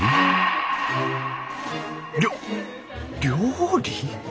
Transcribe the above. りょ料理！？